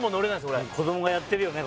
俺子供がやってるよね